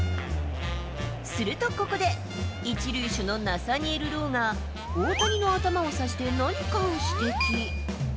するとここで、１塁手のナサニエル・ロウが、大谷の頭を差して何かを指摘。